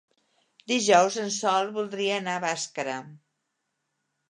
Dijous en Sol voldria anar a Bàscara.